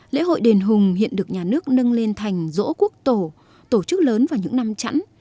lễ hội đền hùng hiện được nhà nước nâng lên thành dỗ quốc tổ tổ chức lớn vào những năm chẵn